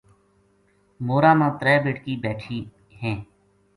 مورا ما ترے بیٹکی بیٹھی ہیں